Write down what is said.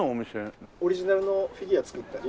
オリジナルのフィギュア作ったり。